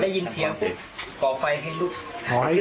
ได้ยินเสียงปุ๊บก่อไฟให้ลุก